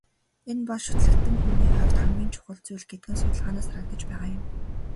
Энэ бол шүтлэгтэн хүний хувьд хамгийн чухал зүйл гэдэг нь судалгаанаас харагдаж байгаа юм.